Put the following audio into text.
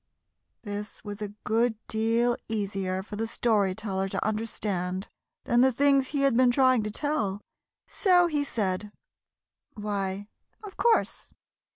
This was a good deal easier for the Story Teller to understand than the things he had been trying to tell, so he said, "Why, of course.